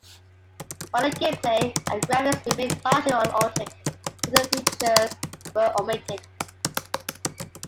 While the gameplay and graphics remained largely unaltered, certain features were omitted.